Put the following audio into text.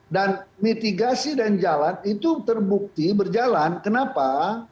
dan mitigasi dan jalan itu terbukti berjalan kenapa